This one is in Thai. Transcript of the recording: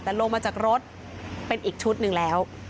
แต่ลงมาจากรถเป็นอีกชุดหนึ่งแล้ว